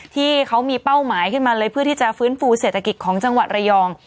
ที่เขามีเป้าหมายขึ้นมาเลยเพื่อที่จะฟื้นฟูเศรษฐกิจของจังหวัดระยอง